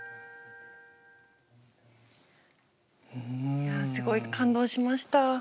いやすごい感動しました。